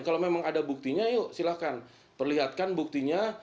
kalau memang ada buktinya yuk silahkan perlihatkan buktinya